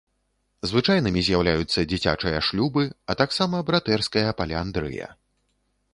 Звычайнымі з'яўляюцца дзіцячыя шлюбы, а таксама братэрская паліандрыя.